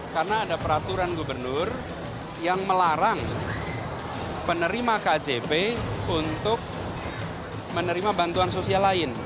karena ada keaturan gubernur yang melarang penerima kjp untuk menerima bantuan sosial lain